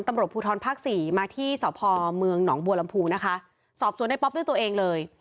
ตำรวจภูทรภาคสี่มาที่สพเมืองหนองบัวลำพูนะคะสอบสวนในป๊อปด้วยตัวเองเลย